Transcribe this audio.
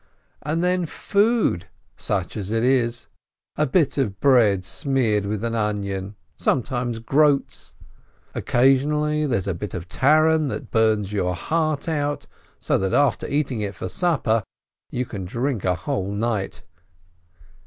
And then food — such as it is ! A bit of bread smeared with an onion, sometimes groats, occasionally there is a bit of taran that burns your heart out, so that after eating it for supper, you can drink a whole night.